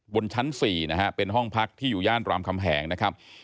บนชั้น๔นะฮะเป็นห้องพักที่อยู่ย่านรามคำแหงนะครับ